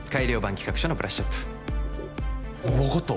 企画書のブラッシュアップああ分かった